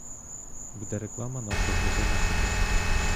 Буде реклама нашого винаходу.